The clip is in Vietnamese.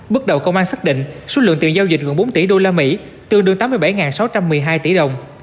bước đầu công an xác định số lượng tiền giao dịch gần bốn tỷ usd tương đương tám mươi bảy sáu trăm một mươi hai tỷ đồng